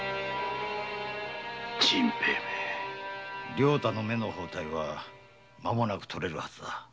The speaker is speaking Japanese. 良太の目の包帯はまもなく取れるはずだ。